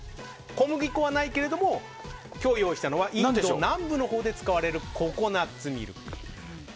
小麦粉はないけど用意したのは南部のほうで使われるココナッツミルク。